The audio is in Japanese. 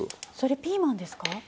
それピーマンですか？